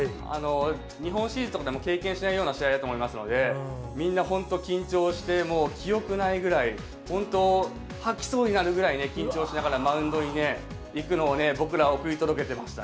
日本シリーズとかでも経験しないような試合だと思いますので、みんな本当、緊張してもう記憶ないぐらい、本当、吐きそうになるぐらいね、緊張しながらマウンドに行くのを僕ら、送り届けてました。